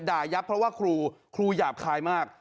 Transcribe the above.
ยับเพราะว่าครูครูหยาบคายมาก